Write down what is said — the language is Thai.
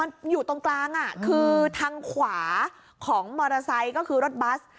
มันอยู่ตรงกลางอ่ะคือทางขวาของมอเตอร์ไซค์ก็คือรถบัส